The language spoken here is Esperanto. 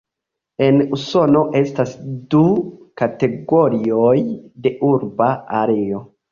En Usono estas du kategorioj de urba areo.